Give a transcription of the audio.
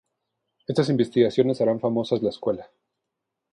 Estas investigaciones harán famosa la escuela.